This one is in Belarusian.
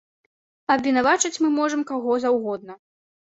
Абвінавачваць мы можам каго заўгодна.